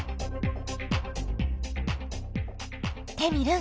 テミルン